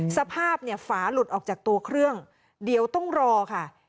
สภาพเนี่ยฝาหลุดออกจากตัวเครื่องเดี๋ยวต้องรอค่ะ